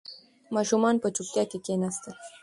ماشومان په چوپتیا کې کښېناستل.